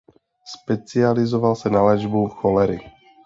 Specializoval se na léčbu cholery.